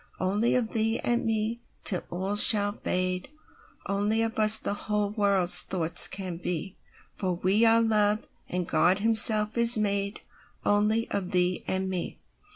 Only of thee and me, till all shall fade; Only of us the whole world's thoughts can be—For we are Love, and God Himself is madeOnly of thee and me.